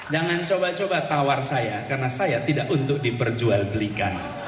jangan coba coba tawar saya karena saya tidak untuk diperjualbelikan